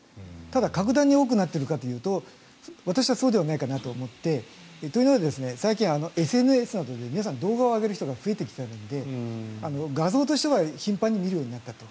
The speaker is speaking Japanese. ただ、格段に多くなっているかというと私はそうではないかなと思っていて、というのは最近ＳＮＳで皆さん動画を上げる人が増えてきているので画像としては頻繁に見るようになったと。